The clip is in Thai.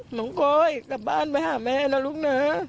โกยกลับบ้านไปหาแม่นะลูกนะ